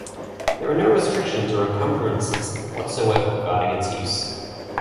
There are no restrictions or encumbrances whatsoever regarding its use.